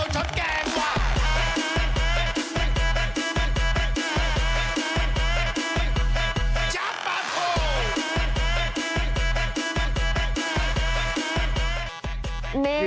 แจ๊กปั๊บโภว์